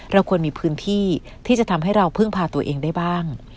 เราควรมีพื้นที่ที่จะทำให้เราพึ่งพาตัวเองได้บ้าง